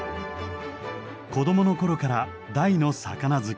子どもの頃から大の魚好き。